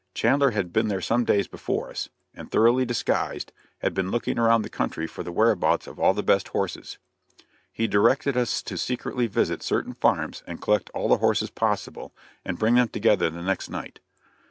Chandler had been there some days before us, and, thoroughly disguised, had been looking around the country for the whereabouts of all the best horses. He directed us to secretly visit certain farms and collect all the horses possible, and bring them together the next night.